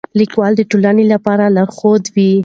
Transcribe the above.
لیکوال د ټولنې لپاره لارښود وي.